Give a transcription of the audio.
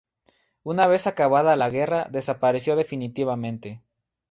Una vez acabada la guerra desapareció definitivamente.